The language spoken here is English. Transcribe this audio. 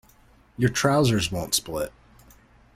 Your trousers won't split.